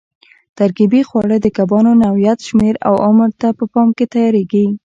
ترکیبي خواړه د کبانو نوعیت، شمېر او عمر ته په پام تیارېږي.